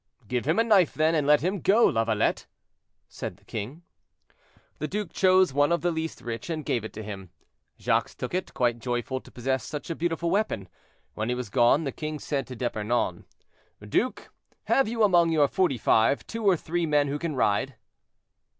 "Give him a knife, then, and let him go, Lavalette," said the king. The duke chose one of the least rich and gave it to him. Jacques took it, quite joyful to possess such a beautiful weapon. When he was gone, the king said to D'Epernon, "Duke, have you among your Forty five two or three men who can ride?"